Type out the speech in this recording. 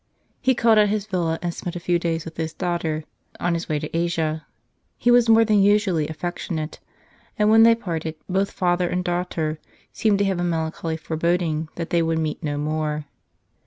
He called at his villa, and spent a few^ days with his daughter, on his way to Asia. He was more than usually affection ate ; and when they parted, both father and daughter seemed to have a melancholy foreboding that they would meet no more.